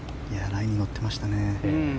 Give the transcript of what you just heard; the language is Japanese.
ラインに乗っていましたね。